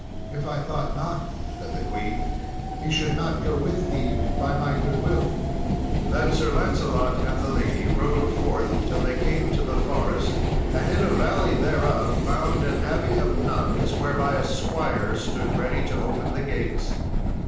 "If I thought not," said the queen, "he should not go with thee by my goodwill." Then Sir Lancelot and the lady rode forth till they came to the forest, and in a valley thereof found an abbey of nuns, whereby a squire stood ready to open the gates.